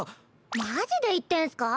マジで言ってんスか？